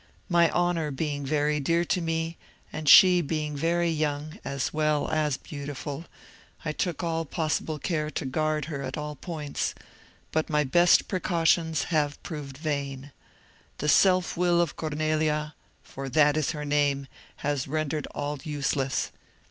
My honour being very dear to me, and she being very young, as well as beautiful, I took all possible care to guard her at all points; but my best precautions have proved vain; the self will of Cornelia, for that is her name, has rendered all useless.